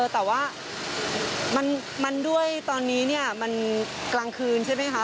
แต่ว่ามันด้วยตอนนี้มันกลางคืนใช่ไหมคะ